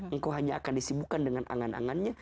engkau hanya akan disibukkan dengan angan angannya